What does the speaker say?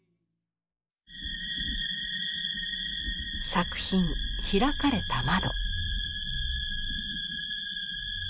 作品「開かれた窓」。